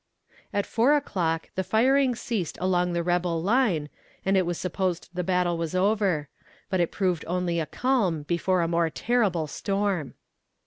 At four o'clock the firing ceased along the rebel line, and it was supposed the battle was over; but it proved only a calm before a more terrible storm.